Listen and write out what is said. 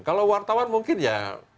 kalau wartawan mungkin ya